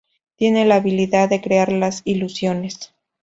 Tiene la habilidad de crear las ilusiones.